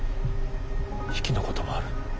比企のこともある。